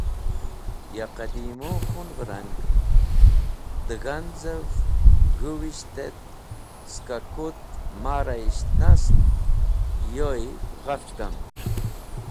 Ya qidimũ khun’v-e rang, dẽ g̃hanz̃ev g̃huvisht et skẽ kut marayisht nast yoy ghafch km.